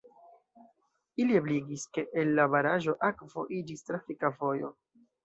Ili ebligis, ke el la baraĵo akvo iĝis trafika vojo.